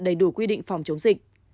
đầy đủ quy định phòng chống dịch